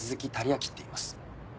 秋っていいます。